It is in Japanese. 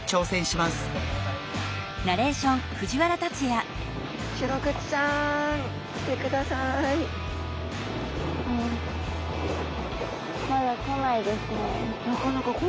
まだこないですね。